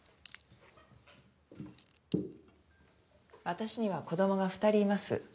私には子供が２人います。